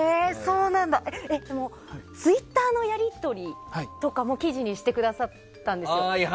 でもツイッターのやり取りとかも記事にしてくださったんですよ。